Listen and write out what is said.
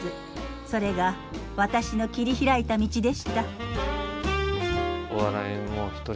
それが私の切り開いた道でした。